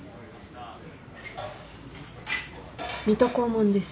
水戸黄門です。